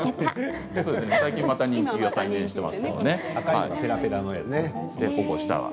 最近また人気が再燃していますよね。